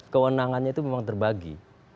kewenangannya itu memang terbagi